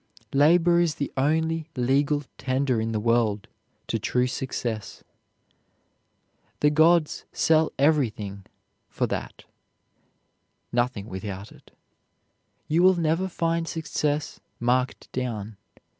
Labor is the only legal tender in the world to true success. The gods sell everything for that, nothing without it. You will never find success "marked down."